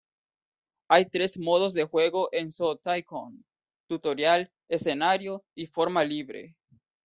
Hay tres modos de juego en "Zoo Tycoon": tutorial, escenario, y forma libre.